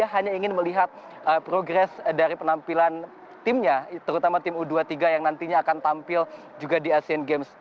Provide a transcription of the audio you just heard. hanya ingin melihat progres dari penampilan timnya terutama tim u dua puluh tiga yang nantinya akan tampil juga di asian games